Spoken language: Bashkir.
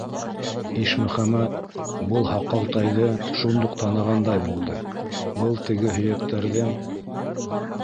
- Ишмөхәмәт был һаҡалтайҙы шундуҡ танығандай булды: был теге һөйәктәрҙең...